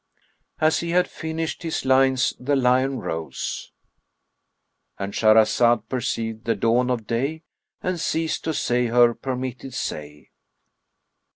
As he had finished his lines the lion rose,—And Shahrazad perceived the dawn of day and ceased to say her permitted say.